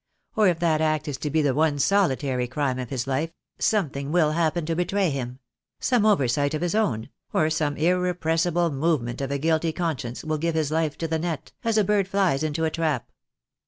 Or if that act is to be the one solitary crime of his life something will happen to betray him — some oversight of his own, or some irrepressible movement of a guilty con science will give his life to the net, as a bird flies into a trap.